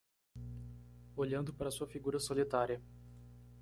Olhando para sua figura solitária